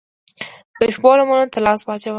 د شپو لمنو ته لاس واچوي